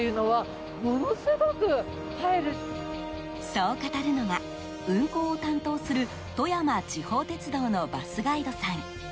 そう語るのが、運行を担当する富山地方鉄道のバスガイドさん。